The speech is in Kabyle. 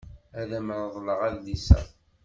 Ad am-reḍleɣ adlis-a.